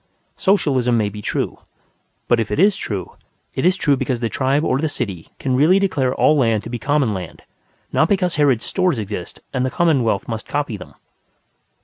Socialism may be true. But if it is true, it is true because the tribe or the city can really declare all land to be common land, not because Harrod's Stores exist and the commonwealth must copy them.